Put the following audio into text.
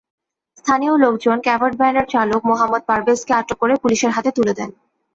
স্থানীয় লোকজন কাভার্ডভ্যানের চালক মোহাম্মদ পারভেজকে আটক করে পুলিশের হাতে তুলে দেন।